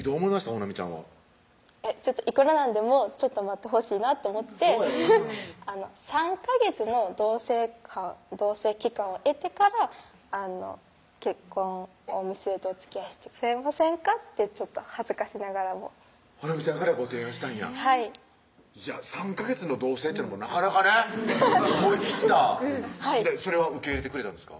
穂南ちゃんはいくらなんでもちょっと待ってほしいなと思って「３ヵ月の同棲期間を得てから結婚を見据えておつきあいしてくれませんか？」ってちょっと恥ずかしながらも穂南ちゃんからご提案したんやはい３ヵ月の同棲ってのもなかなかね思い切ったそれは受け入れてくれたんですか？